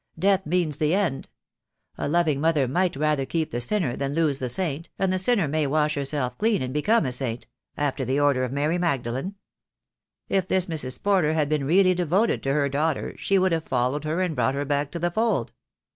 Death means the end. A loving mother might rather keep the sinner than lose the saint, and the sinner may wash herself clean and be come a saint — after the order of Mary Magdalene. If this Mrs. Porter had been really devoted to her daughter she would have followed her and brought her back to the fold.